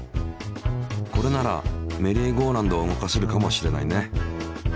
これならメリーゴーラウンドを動かせるかもしれないね。